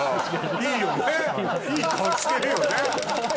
いい顔してるよね。